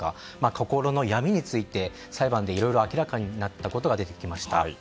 心の闇について、裁判でいろいろ明らかになったことが出てきました。